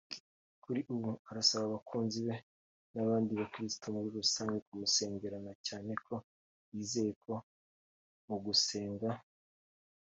Kuri ubu arasaba abakunzi be b'abandi bakristo muri rusange kumusengera na cyane ko yizeye ko mu gusenga